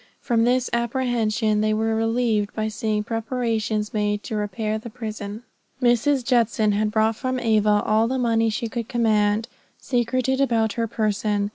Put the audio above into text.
From this apprehension they were relieved by seeing preparations made to repair the prison. Mrs. Judson had brought from Ava all the money she could command, secreted about her person.